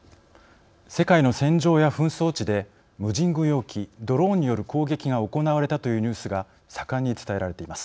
世界の戦場や紛争地で無人軍用機ドローンによる攻撃が行われたというニュースが盛んに伝えられています。